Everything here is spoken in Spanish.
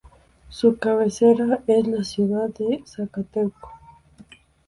Su cabecera es la ciudad de Zacatelco.